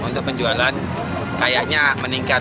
untuk penjualan kayaknya meningkat